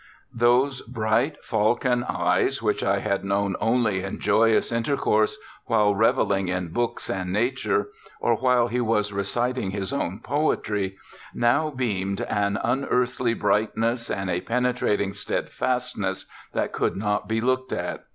Those bright falcon eyes, which I had known only in joyous intercourse, while revelling in books and Nature, or while he was reciting his own poetry, now beamed an unearthly brightness and a penetrating steadfastness that could not be looked at.